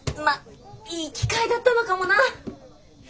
まっいい機会だったのかもな。